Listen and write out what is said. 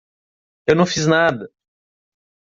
Eu não fiz nada.